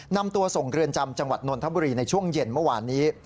นำตัวส่งเรือนจำจังหวัดนนทบุรีในช่วงเย็นเมื่อวานนี้